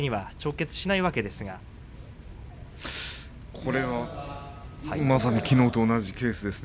これは、まさにきのうと同じケースですね。